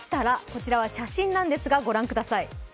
こちらは写真なんですが、御覧ください。